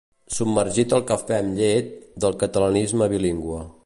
Submergit al cafè amb llet del catalanisme bilingüe.